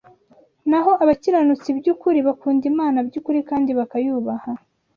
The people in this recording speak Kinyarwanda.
naho abakiranutsi by’ukuri, bakunda Imana by’ukuri kandi bakayubaha